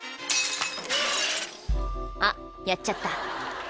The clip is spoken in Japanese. あっやっちゃった